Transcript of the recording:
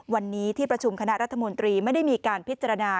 วันนี้ที่ประชุมคณะรัฐมนตรีไม่ได้มีการพิจารณา